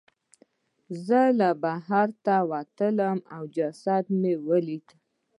زه بهر ته ووتلم او جسد مې ولید.